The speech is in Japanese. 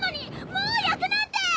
もう焼くなんて！